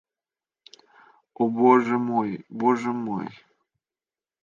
О, Боже мой, Боже мой!